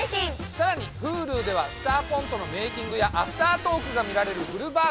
さらにＨｕｌｕでは「スタアコント」のメイキングやアフタートークが見られるフルバージョン。